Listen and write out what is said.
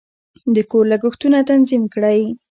د کور لګښتونه تنظیم کړئ.